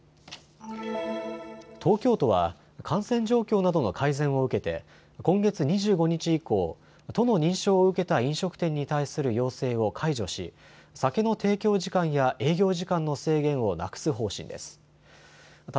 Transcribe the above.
東京都は感染状況などの改善を受けて今月２５日以降、都の認証を受けた飲食店に対する要請を解除し酒の提供時間や営業時間の制限をなくす方針です。